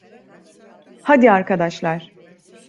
Hadi arkadaşlar.